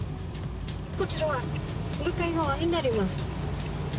こちらは向かい側になります。